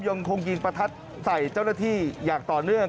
ยังคงยิงประทัดใส่เจ้าหน้าที่อย่างต่อเนื่อง